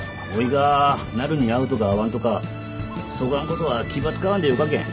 がなるに会うとか会わんとかそがんことは気ば使わんでよかけん。